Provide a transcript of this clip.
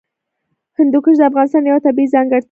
هندوکش د افغانستان یوه طبیعي ځانګړتیا ده.